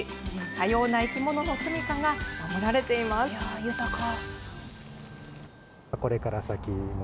多様な生き物の住みかが守られて豊か。